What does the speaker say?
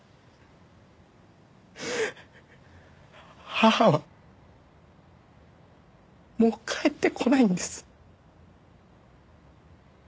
母はもう帰ってこないんです。